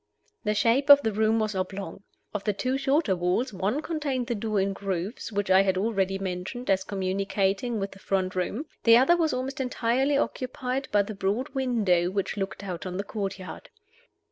The shape of the room was oblong. Of the two shorter walls, one contained the door in grooves which I have already mentioned as communicating with the front room; the other was almost entirely occupied by the broad window which looked out on the courtyard.